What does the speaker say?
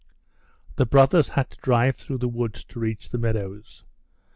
The brothers had to drive through the woods to reach the meadows.